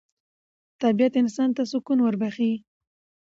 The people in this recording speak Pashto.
طبیعت انسان ته سکون وربخښي